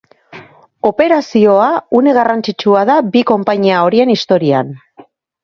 Operazioa une garrantzitsua da bi konpainia horien historian.